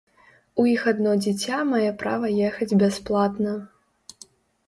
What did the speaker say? У іх адно дзіця мае права ехаць бясплатна.